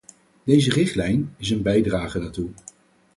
Deze richtlijn is een bijdrage daartoe.